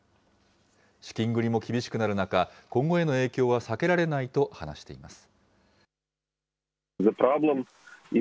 資金繰りも厳しくなる中、今後への影響は避けられないと話しています。